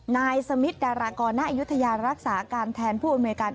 นายสมิทร์ดารากรณะอยุธยารักษาการแทนผู้อเมริการ